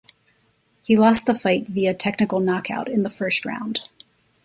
He lost the fight via technical knockout in the first round.